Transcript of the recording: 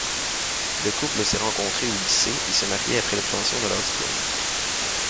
Le couple s'est rencontré au lycée et s'est marié après l'obtention de leurs diplômes.